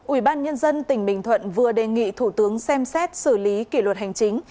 ủy ban nhân dân tỉnh bình thuận vừa đề nghị thủ tướng xem xét xử lý kỷ luật hành chính